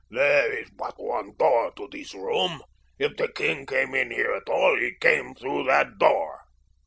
"There is but one door to this room—if the king came in here at all, he came through that door."